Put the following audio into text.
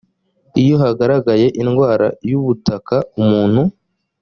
iyo hagaragaye indwara y ubutaka umuntu